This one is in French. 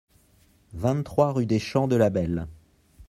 vingt-trois rue des Champs de la Belle